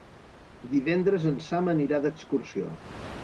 Divendres en Sam anirà d'excursió.